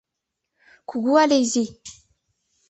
Кугу але изи?